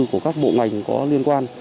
của các bộ ngành có liên quan